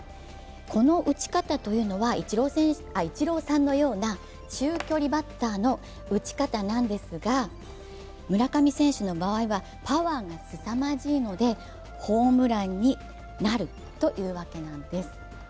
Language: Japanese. この打ち方はイチローさんのような中距離バッターの打ち方なんですが、村上選手の場合はパワーがすさまじいのでホームランになるというわけなんです。